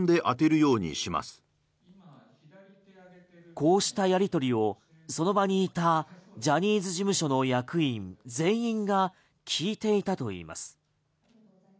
こうしたやり取りをその場にいたジャニーズ事務所の役員全員が聞いていたといいます。